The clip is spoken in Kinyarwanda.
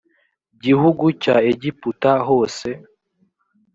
gihugu cya egiputa hose